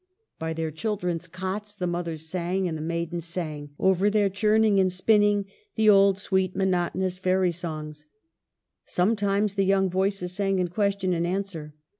By their children's cots the mothers sang; and the maidens sang, over their churning and spinning, the old, sweet, monotonous fairy songs. Sometimes the young voices sang in question and answer.